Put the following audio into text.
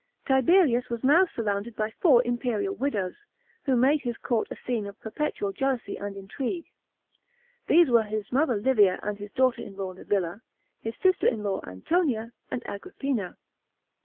§ 13. Tiberius was now surrounded by four imperial widows, who made his court a scene of perpetual jealousy and intrigue. These were his mother Livia and his daughter in law Livilla, his sister in law Antonia, and Agrippiua.